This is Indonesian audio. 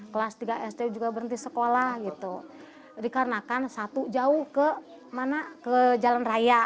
kelas tiga sd juga berhenti sekolah gitu dikarenakan satu jauh ke mana ke jalan raya